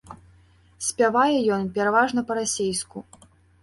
Спявае ён пераважна па-расейску.